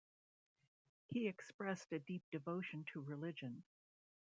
He expressed a deep devotion to religion.